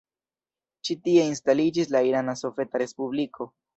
Ĉi-tie instaliĝis la Irana Soveta Respubliko.